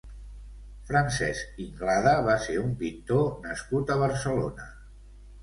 Francesc Inglada va ser un pintor nascut a Barcelona.